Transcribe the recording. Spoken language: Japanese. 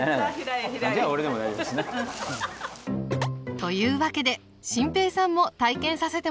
というわけで心平さんも体験させてもらいました。